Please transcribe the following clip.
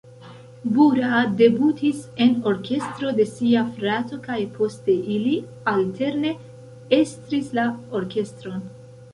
Bura debutis en orkestro de sia frato kaj poste ili alterne estris la orkestron.